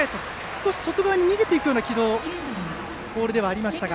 少し外側に逃げていくような軌道のボールではありましたが